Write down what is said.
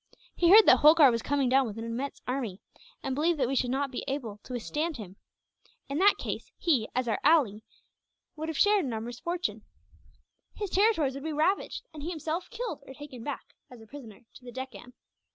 He heard that Holkar was coming down with an immense army, and believed that we should not be able to withstand him. In that case he, as our ally, would share in our misfortunes. His territories would be ravaged; and he himself killed or taken back, as a prisoner, to the Deccan.